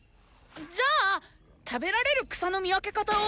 じゃあ食べられる草の見分け方を！